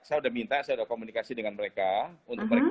saya sudah minta saya sudah komunikasi dengan mereka untuk mereka